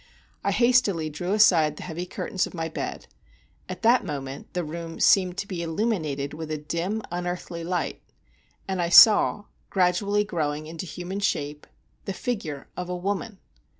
I hastily drew aside the heavy curtains of my bed—at that moment the room seemed to be illuminated with a dim, unearthly light—and I saw, gradually growing into human shape, the figure of a woman.